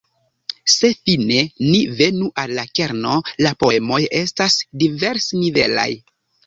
Se fine ni venu al la kerno, la poemoj estas diversnivelaj.